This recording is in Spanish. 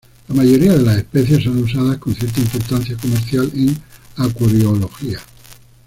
La mayoría de las especies son usadas con cierta importancia comercial en acuariología.